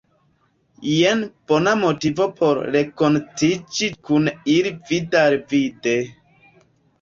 Jen bona motivo por renkontiĝi kun ili vid-al-vide.